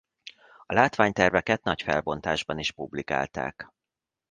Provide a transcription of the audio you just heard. A látványterveket nagy felbontásban is publikálták.